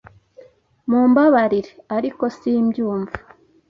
Mumbabarire, ariko simbyumva.